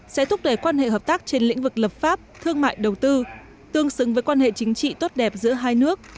sẽ thúc đẩy quan hệ hợp tác trên lĩnh vực lập pháp thương mại đầu tư tương xứng với quan hệ chính trị tốt đẹp giữa hai nước